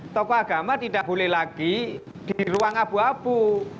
tokoh agama tidak boleh lagi di ruang abu abu